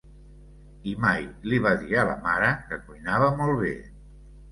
I mai li va dir a la mare que cuinava molt bé.